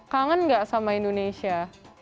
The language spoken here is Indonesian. kangen nggak sama indonesia